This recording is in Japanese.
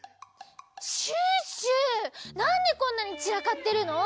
シュッシュなんでこんなにちらかってるの？